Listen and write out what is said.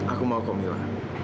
aku mau kak mila